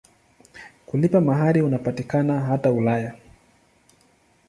Kulipa mahari unapatikana hata Ulaya.